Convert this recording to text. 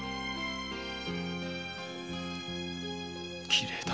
きれいだ。